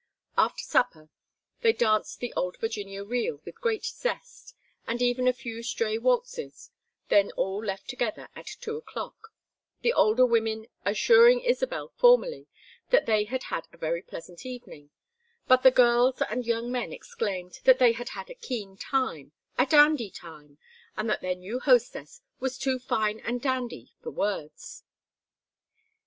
After supper they danced the old Virginia reel with great zest, and even a few stray waltzes, then all left together at two o'clock; the older women assuring Isabel formally that they had had a very pleasant evening; but the girls and young men exclaimed that they had had a keen time, a dandy time, and that their new hostess was too fine and dandy for words.